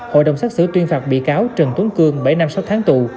hội đồng xét xử tuyên phạt bị cáo trần tuấn cương bảy năm sáu tháng tù